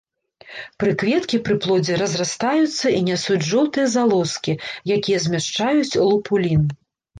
Прыкветкі пры плодзе разрастаюцца і нясуць жоўтыя залозкі, якія змяшчаюць лупулін.